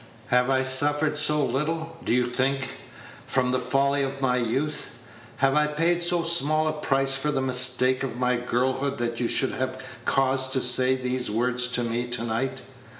Have I suffered so little, do you think, from the folly of my youth? Have I paid so small a price for the mistake of my girlhood that you should have cause to say these words to me to night?